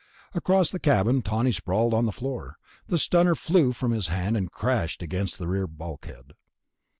Across the cabin Tawney sprawled on the floor. The stunner flew from his hand and crashed against the rear bulkhead.